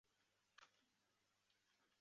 该物种的模式产地在印度洋。